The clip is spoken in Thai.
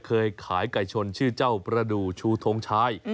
เคยขายไก่ชนชื่อเจ้าประดูกชูทงชาย